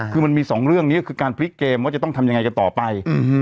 คือมันมีสองเรื่องนี้ก็คือการพลิกเกมว่าจะต้องทำยังไงกันต่อไป